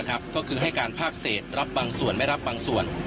ก็คือให้การภาคเศษรับบางส่วนไม่รับบางส่วน